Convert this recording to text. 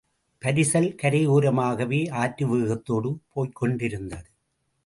பரிசல் கரை ஓரமாகவே ஆற்று வேகத்தோடு போய்க் கொண்டிருந்தது.